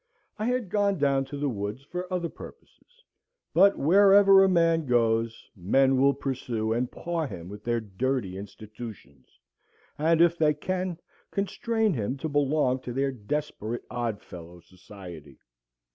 I had gone down to the woods for other purposes. But, wherever a man goes, men will pursue and paw him with their dirty institutions, and, if they can, constrain him to belong to their desperate odd fellow society.